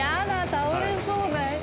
倒れそうだよ。